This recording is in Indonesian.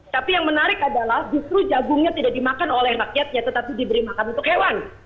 tapi yang menarik adalah justru jagungnya tidak dimakan oleh rakyatnya tetapi diberi makan untuk hewan